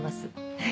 はい。